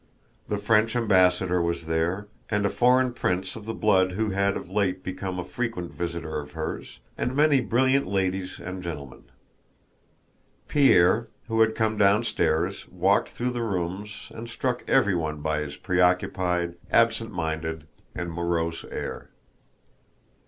The French ambassador was there, and a foreign prince of the blood who had of late become a frequent visitor of hers, and many brilliant ladies and gentlemen. Pierre, who had come downstairs, walked through the rooms and struck everyone by his preoccupied, absent minded, and morose air.